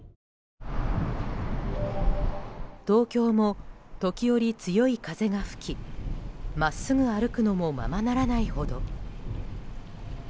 東京も時折、強い風が吹きまっすぐ歩くのもままならないほど。